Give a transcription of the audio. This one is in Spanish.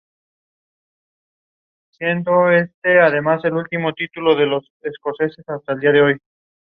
En Milán están los cuarteles generales administrativos.